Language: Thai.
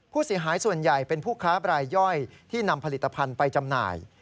ผู้เสียหายส่วนใหญ่เป็นผู้ค้าบรายย่อยที่นำผลิตภัณฑ์ไปจำหน่าย